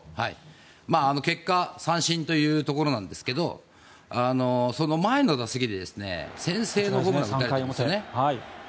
結果、三振というところなんですけどその前の打席で先制のホームランを打たれてますよね。